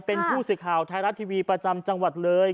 เป็นผู้สื่อข่าวไทยรัฐทีวีประจำจังหวัดเลย